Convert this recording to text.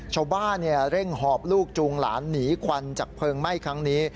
ชาวบ้านเร่งหอบลูกจูงหลานหนีควันจากเพลิงไหม้ครั้งนี้